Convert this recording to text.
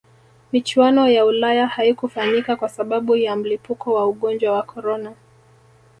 michuano ya ulaya haikufanyika kwa sababu ya mlipuko wa ugonjwa wa corona